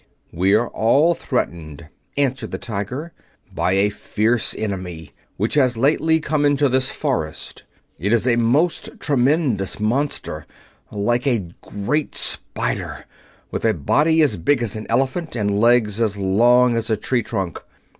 "We are all threatened," answered the tiger, "by a fierce enemy which has lately come into this forest. It is a most tremendous monster, like a great spider, with a body as big as an elephant and legs as long as a tree trunk.